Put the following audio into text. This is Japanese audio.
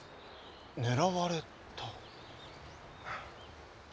狙われた。